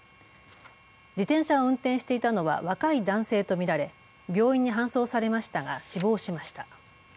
自転車を運転していたのは若い男性と見られ病院に搬送されましたが死亡しました。